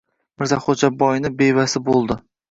Mirzaxo‘jaboyni bevasi bo‘ldi.